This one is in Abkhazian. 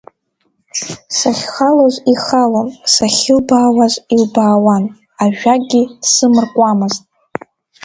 Сахьхалоз ихалон, сахьылбаауаз илбаауан, ажәакгьы сымаркуамызт.